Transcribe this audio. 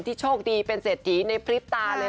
ที่โชคดีเป็นเศรษฐีในปริปตาเลยแหละค่ะ